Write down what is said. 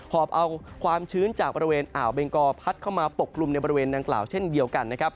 อบเอาความชื้นจากบริเวณอ่าวเบงกอพัดเข้ามาปกกลุ่มในบริเวณดังกล่าวเช่นเดียวกันนะครับ